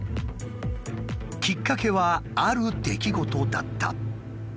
きっかけはある出来事だった。